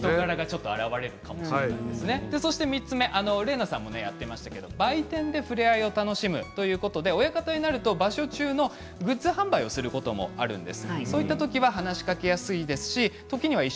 ３つ目、伶奈さんもやっていましたが売店でふれあいを楽しむということが親方になると場所中のグッズ販売をすることがあるそうです。